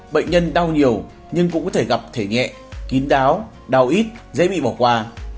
bệnh nhân đau nhiều nhưng cũng có thể gặp thể nhẹ kín đáo đau ít dễ bị bỏ qua